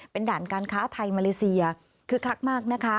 เป็นด่านการค้าไทยมาเลเซียคึกคักมากนะคะ